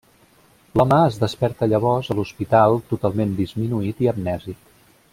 L'home es desperta llavors a l'hospital totalment disminuït i amnèsic.